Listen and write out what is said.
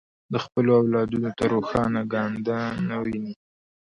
د خپلو اولادونو ته روښانه ګانده نه ویني.